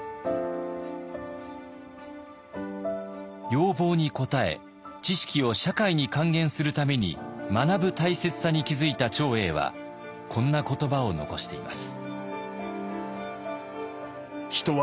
要望に応え知識を社会に還元するために学ぶ大切さに気付いた長英はこんな言葉を残しています。